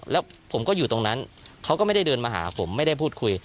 แล้วผมก็อยู่ตรงนั้นเขาก็ไม่ได้เดินมาหาผมไม่ได้พูดคุย